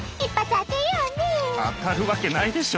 当たるわけないでしょ。